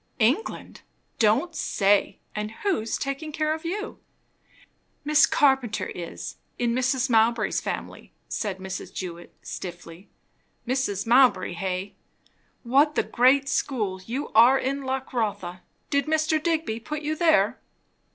"England! Don't say! And who's taking care of you?" "Miss Carpenter is in Mrs. Mowbray's family," said Miss Jewett stiffly. "Mrs. Mowbray, hey? what, the great school? You are in luck, Rotha. Did Mr. Digby put you there?"